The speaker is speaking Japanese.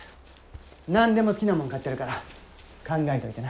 何でも好きなもん買ってやるから考えといてな。